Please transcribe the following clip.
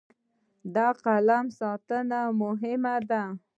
د قلم ساتنه مهمه ده.